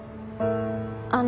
あの。